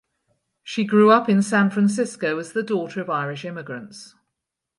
She grew up in San Francisco as the daughter of Irish immigrants.